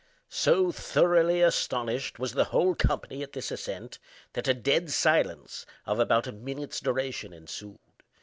So thoroughly astonished was the whole company at this ascent, that a dead silence, of about a minute's duration, ensued.